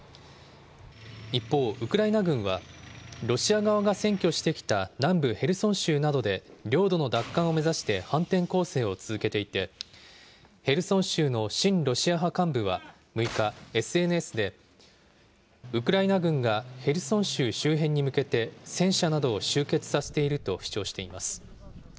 一方、ウクライナ軍はロシア側が占拠してきた南部ヘルソン州などで領土の奪還を目指して反転攻勢を続けていて、ヘルソン州の親ロシア派幹部は６日、ＳＮＳでウクライナ軍がヘルソン州周辺に向けて、戦車などを集結させていると主張しています。